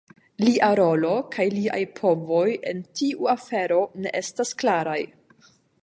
Lia rolo kaj liaj povoj en tiu afero ne estas klaraj.